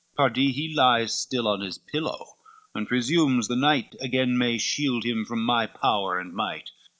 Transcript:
Pardie he lies Still on his pillow, and presumes the night Again may shield him from my power and might.